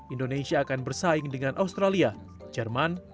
indonesia akan bersaing dengan australia jerman